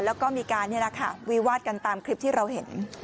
แล้วก็มีการวิวาดกันตามคลิปที่เราเห็น